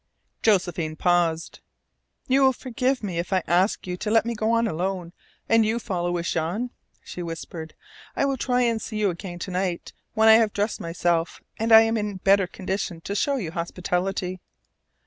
Josephine paused. "You will forgive me if I ask you to let me go on alone, and you follow with Jean?" she whispered. "I will try and see you again to night, when I have dressed myself, and I am in better condition to show you hospitality."